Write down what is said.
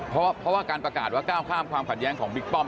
เพราะว่าการประกาศว่าก้าวข้ามความขัดแย้งของบิ๊กป้อม